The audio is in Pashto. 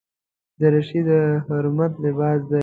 دریشي د حرمت لباس دی.